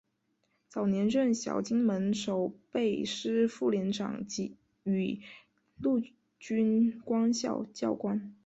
早年任小金门守备师副连长与陆军官校教官。